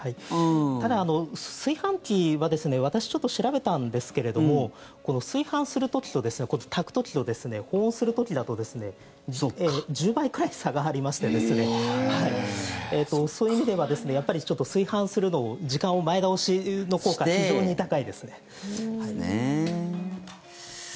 ただ、炊飯器は私ちょっと調べたんですけれども炊飯する時、炊く時と保温する時だと１０倍くらい差がありましてそういう意味では炊飯するのを時間前倒しの効果非常に高いですね。